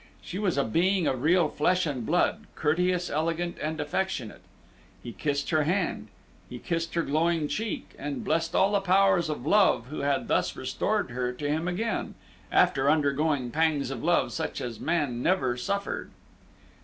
She was a being of real flesh and blood, courteous, elegant, and affectionate. He kissed her hand, he kissed her glowing cheek, and blessed all the powers of love who had thus restored her to him again, after undergoing pangs of love such as man never suffered.